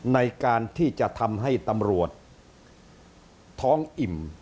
ในการที่จะทำให้ตำรวจท้องอิ่ม